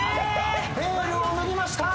ベールを脱ぎました。